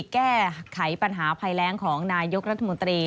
แก้ไขปัญหาภัยแรงของนายกรัฐมนตรี